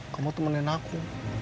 kamu temenin aku